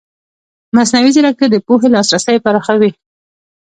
مصنوعي ځیرکتیا د پوهې لاسرسی پراخوي.